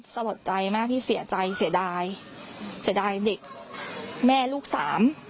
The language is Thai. สะลดใจมากที่เสียใจเสียดายเสียดายเด็กแม่ลูกสาม